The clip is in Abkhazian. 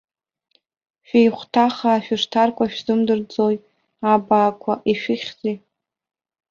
Шәеиҳәҭахаа шәышҭаркуа шәзымдырӡои, абаақәа, ишәыхьзеи?